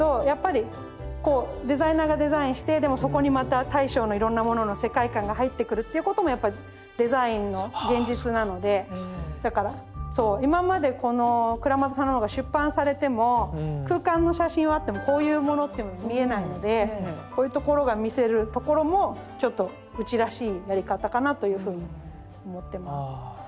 やっぱりこうデザイナーがデザインしてでもそこにまた大将のいろんなものの世界観が入ってくるっていうこともやっぱりデザインの現実なのでだからそう今までこの倉俣さんの本が出版されても空間の写真はあってもこういうものっていうのは見えないのでこういうところが見せるところもちょっとうちらしいやり方かなというふうに思ってます。